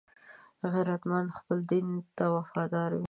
غیرتمند خپل دین ته وفادار وي